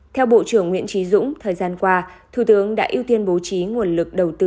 theo bộ trưởng nguyễn trí dũng thời gian qua thủ tướng đã ưu tiên bố trí nguồn lực đầu tư